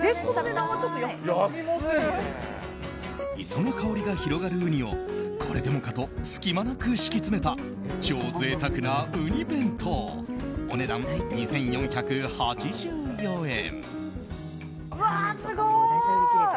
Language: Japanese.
磯の香りが広がるウニをこれでもかと隙間なく敷き詰めた超贅沢な、うに弁当お値段、２４８４円。